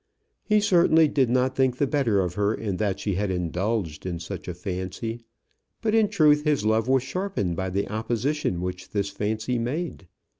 He certainly did not think the better of her in that she had indulged in such a fancy; but in truth his love was sharpened by the opposition which this fancy made.